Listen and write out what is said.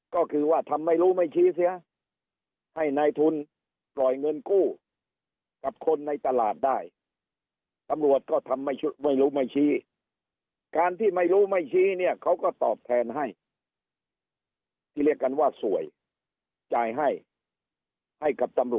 ก็คือว่าทำไม่รู้ไม่ชี้เสียให้นายทุนปล่อยเงินกู้กับคนในตลาดได้